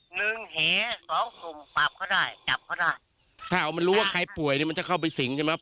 หนึ่งเหสสองสุมปราบบันกฎได้จับของเขารู้ว่าใครป่วยมันจะเข้าไปสิงเลยมั๊ยครับ